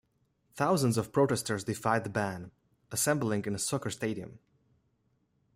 Thousands of protestors defied the ban, assembling in a soccer stadium.